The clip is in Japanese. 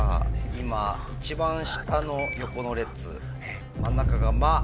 今一番下の横の列真ん中が「ま」。